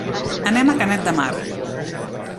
Anem a Canet de Mar.